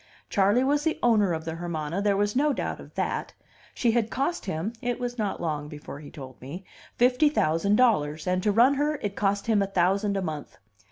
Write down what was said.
Charley was owner of the Hermana, there was no doubt of that; she had cost him (it was not long before he told me) fifty thousand dollars, and to run her it cost him a thousand a month.